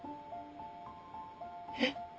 えっ？